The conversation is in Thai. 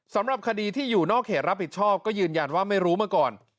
สำหรับคดีที่อยู่นอกเขตรับผิดชอบก็ยืนยันว่าไม่รู้มาก่อน